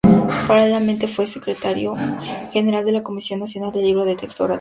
Paralelamente fue secretario general de la Comisión Nacional del Libro de Texto Gratuito.